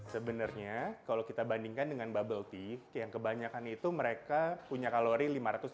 sebenarnya kalau kita bandingkan dengan bubble tea yang kebanyakan itu mereka punya kalori lima ratus lima puluh